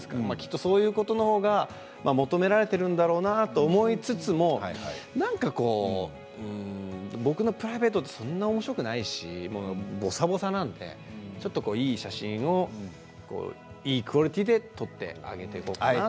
そういうことの方が求められているんだろうなと思いつつもなんかこう僕のプライベートってそんなにおもしろくないしぼさぼさなのでちょっといい写真をいいクオリティーで撮ってあげていこうかなって。